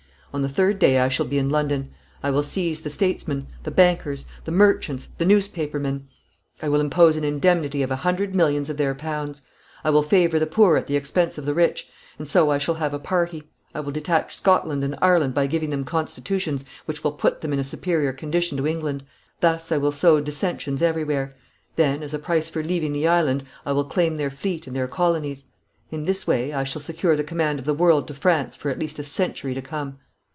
On the third day I shall be in London. I will seize the statesmen, the bankers, the merchants, the newspaper men. I will impose an indemnity of a hundred millions of their pounds. I will favour the poor at the expense of the rich, and so I shall have a party. I will detach Scotland and Ireland by giving them constitutions which will put them in a superior condition to England. Thus I will sow dissensions everywhere. Then as a price for leaving the island I will claim their fleet and their colonies. In this way I shall secure the command of the world to France for at least a century to come.'